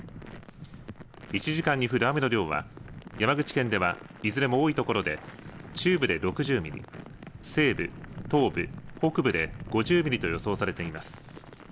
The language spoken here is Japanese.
１時間に降る雨の量は山口県ではいずれも多いところで中部で６０ミリ西部、東部、北部で５０ミリと予想されています。